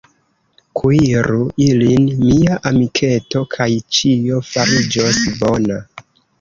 Kuiru ilin, mia amiketo, kaj ĉio fariĝos bona.